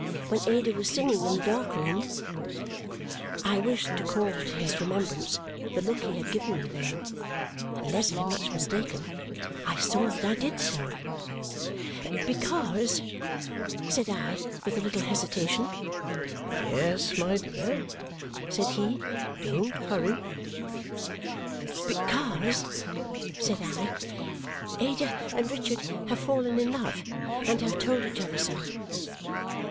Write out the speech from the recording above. When Ada was singing in the dark room?" I wished to call to his remembrance the look he had given me then. Unless I am much mistaken, I saw that I did so. "Because " said I with a little hesitation. "Yes, my dear!" said he. "Don't hurry." "Because," said I, "Ada and Richard have fallen in love. And have told each other so."